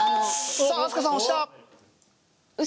さあ飛鳥さん押した。